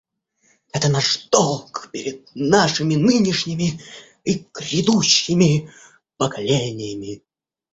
Это наш долг перед нашими нынешними и грядущими поколениями.